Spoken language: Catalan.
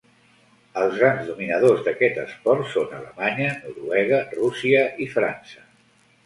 Els grans dominadors d'aquest esport són Alemanya, Noruega, Rússia i França.